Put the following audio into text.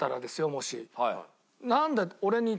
もし。